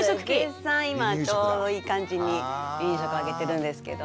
今ちょうどいい感じに離乳食をあげてるんですけど。